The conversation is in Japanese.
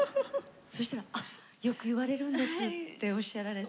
そしたら「あっよく言われるんです」っておっしゃられて。